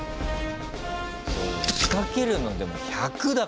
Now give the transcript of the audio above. そう仕掛けるのでも１００だからね。